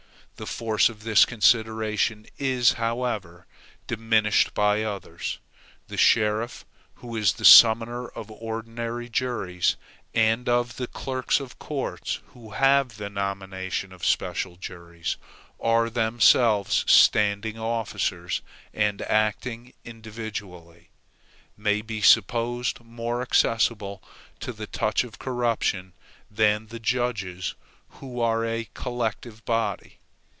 The force of this consideration is, however, diminished by others. The sheriff, who is the summoner of ordinary juries, and the clerks of courts, who have the nomination of special juries, are themselves standing officers, and, acting individually, may be supposed more accessible to the touch of corruption than the judges, who are a collective body.